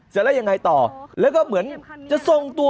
เสร็จแล้วยังไงต่อแล้วก็เหมือนจะทรงตัว